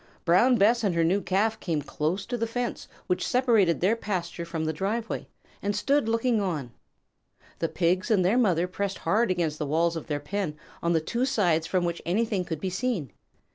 Brown Bess and her new Calf came close to the fence which separated their pasture from the driveway, and stood looking on. The Pigs and their mother pressed hard against the walls of their pen on the two sides from which anything could be seen.